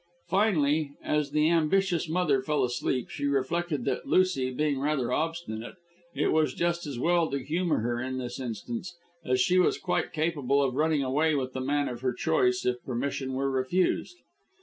Finally, as the ambitious mother fell asleep, she reflected that Lucy being rather obstinate, it was just as well to humour her in this instance, as she was quite capable of running away with the man of her choice if permission were refused.